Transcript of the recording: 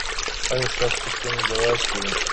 ایا ستاسو پوښتنې ځواب شوې؟